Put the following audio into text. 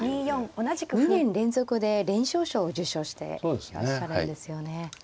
２年連続で連勝賞を受賞していらっしゃるんですよね。